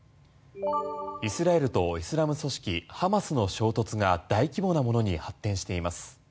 イスラエルとイスラム組織ハマスの衝突が大規模なものに発展しています。